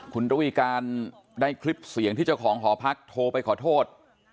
คุณระวีการได้คลิปเสียงที่เจ้าของหอพักโทรไปขอโทษ